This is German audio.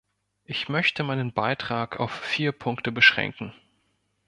Ich möchte meinen Beitrag auf vier Punkte beschränken.